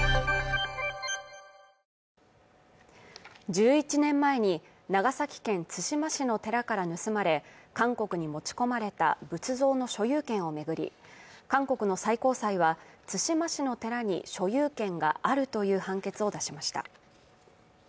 １１年前に長崎県対馬市の寺から盗まれ韓国に持ち込まれた仏像の所有権をめぐり韓国の最高裁は対馬市の寺に所有権があるという判決を出しました